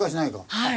はい。